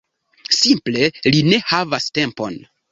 Simple li ne havas tempon.